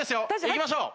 いきましょう。